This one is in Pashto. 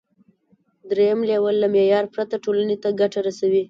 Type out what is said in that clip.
دریم لیول له معیار پرته ټولنې ته ګټه رسوي.